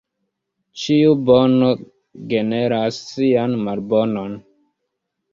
Ĉiu bono generas sian malbonon.